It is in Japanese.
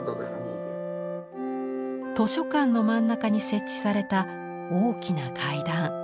図書館の真ん中に設置された大きな階段。